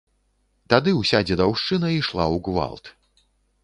Тады ўся дзедаўшчына ішла ў гвалт.